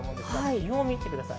気温を見てください。